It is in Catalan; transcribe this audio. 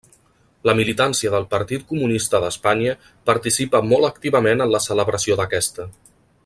La militància del Partit Comunista d'Espanya participa molt activament en la celebració d'aquesta.